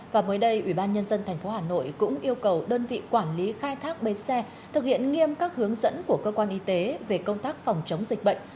và mới đây ủy ban nhân dân tp hà nội cũng yêu cầu đơn vị quản lý khai thác bến xe thực hiện nghiêm các hướng dẫn của cơ quan y tế về công tác phòng chống dịch bệnh